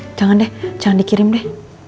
tidak ada yang nanya apa apa